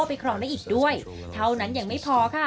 ไปครองได้อีกด้วยเท่านั้นยังไม่พอค่ะ